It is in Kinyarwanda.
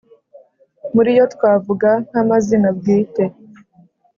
muri yo twavuga nk’amazina bwite